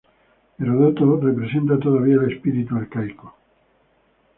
Heródoto representa todavía el espíritu arcaico.